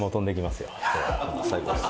最高です。